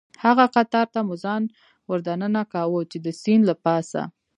هغه قطار ته مو ځان وردننه کاوه، چې د سیند له پاسه.